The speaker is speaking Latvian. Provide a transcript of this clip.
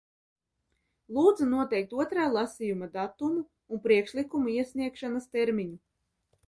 Lūdzu noteikt otrā lasījuma datumu un priekšlikumu iesniegšanas termiņu.